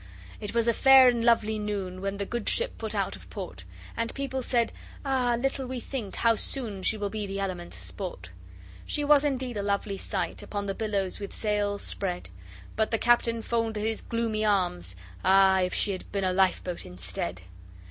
It was a fair and lovely noon When the good ship put out of port And people said 'ah little we think How soon she will be the elements' sport.' She was indeed a lovely sight Upon the billows with sails spread. But the captain folded his gloomy arms, Ah if she had been a life boat instead!